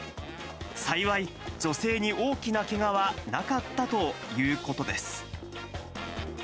幸い、女性に大きなけがはなかったということです。